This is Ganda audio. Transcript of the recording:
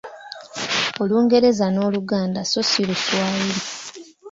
Olungereza n’Oluganda so si Luswayiri.